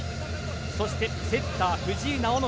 そして、セッター、藤井直伸